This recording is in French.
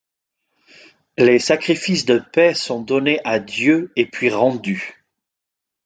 Les sacrifices de paix sont donnés à Dieu et puis rendus.